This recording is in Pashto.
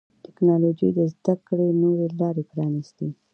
ټکنالوجي د زدهکړې نوي لارې پرانستې دي.